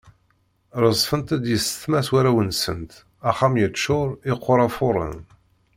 Rezfent-d yessetma s warraw-nsent, axxam yeččur, iqerra fuṛen.